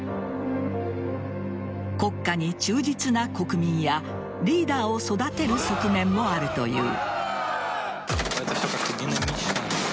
国家に忠実な国民やリーダーを育てる側面もあるという。